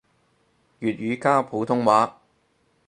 粵語加普通話